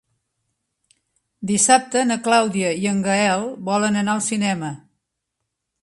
Dissabte na Clàudia i en Gaël volen anar al cinema.